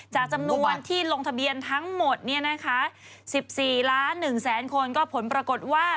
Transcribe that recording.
จากจำนวนที่ลงทะเบียนทั้งหมดเนี่ยนะคะสิบสี่ล้านหนึ่งแสนคนก็ผลปรากฏว่า